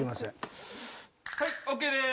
はいＯＫです！